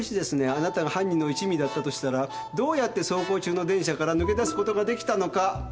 あなたが犯人の一味だったとしたらどうやって走行中の電車から抜け出すことができたのか。